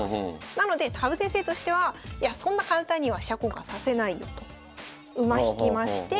なので羽生先生としてはいやそんな簡単には飛車交換させないよと馬引きまして。